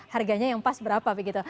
harganya yang pas berapa begitu